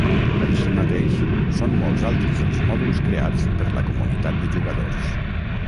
Així mateix, són molts altres els mòduls creats per la comunitat de jugadors.